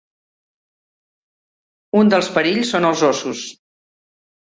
Un dels perills són els ossos.